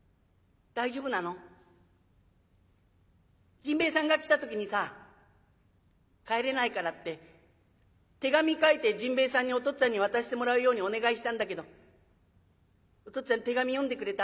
甚兵衛さんが来た時にさ帰れないからって手紙書いて甚兵衛さんにお父っつぁんに渡してもらうようにお願いしたんだけどお父っつぁん手紙読んでくれた？